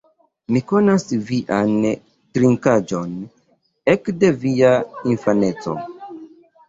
Mi konas vian trinkaĵon ekde via infaneco